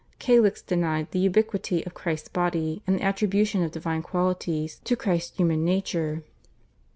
Calixt denied the ubiquity of Christ's body and the attribution of divine qualities to Christ's human nature.